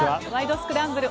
スクランブル」